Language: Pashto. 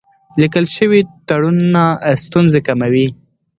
لیکل شوي تړونونه ستونزې کموي.